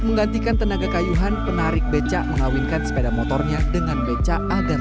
menggantikan tenaga kayuhan penarik becak mengawinkan sepeda motornya dengan beca agar